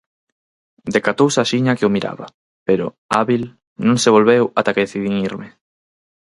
Decatouse axiña que o miraba, pero, hábil, non se volveu ata que decidín irme.